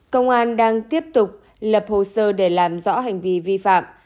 công an đang tiếp tục lập hồ sơ để làm rõ hành vi vi phạm